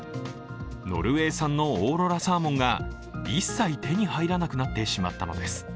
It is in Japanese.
ノルウェー産のオーロラサーモンが一切、手に入らなくなってしまったのです。